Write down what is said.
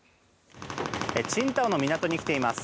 青島の港に来ています。